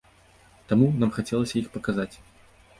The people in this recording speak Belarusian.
Таму, нам хацелася іх паказаць.